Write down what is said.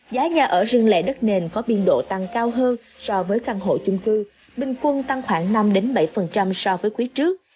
giá nhà ở rừng lệ đất nền có biên độ tăng cao hơn so với căn hộ chung cư bình quân tăng khoảng năm bảy so với cuối trước